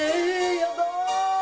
やだ！